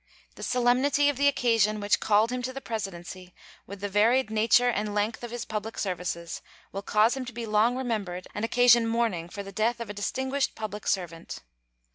The solemnity of the occasion which called him to the Presidency, with the varied nature and length of his public services, will cause him to be long remembered and occasion mourning for the death of a distinguished public servant.